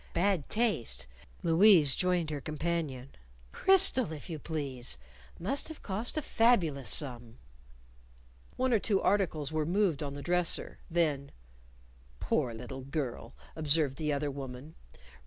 "Bad taste." Louise joined her companion. "Crystal, if you please! Must've cost a fabulous sum." One or two articles were moved on the dresser. Then, "Poor little girl!" observed the other woman.